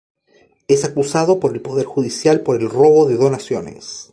Es acusado por el poder judicial por el robo de donaciones.